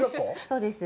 そうです。